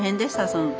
その時。